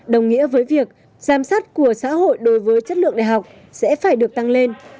đồng nghĩa với việc giám sát của xã hội đối với chất lượng đại học sẽ phải được tăng lên